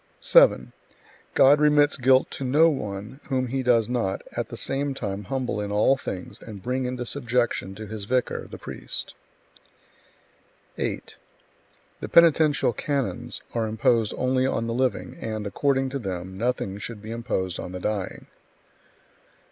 7. God remits guilt to no one whom He does not, at the same time, humble in all things and bring into subjection to His vicar, the priest. 8. The penitential canons are imposed only on the living, and, according to them, nothing should be imposed on the dying.